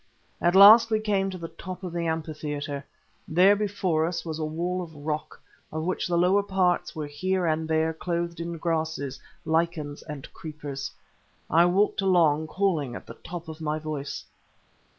At last we came to the top of the amphitheatre. There before us was a wall of rock, of which the lower parts were here and there clothed in grasses, lichens, and creepers. I walked along it, calling at the top of my voice.